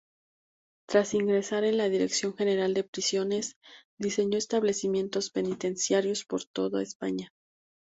Tras ingresar en la Dirección General de Prisiones, diseñó establecimientos penitenciarios por toda España.